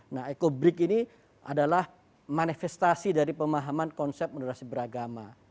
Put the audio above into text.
nah ecobrik ini adalah manifestasi dari pemahaman konsep moderasi beragama